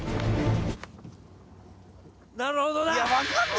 なるほどな！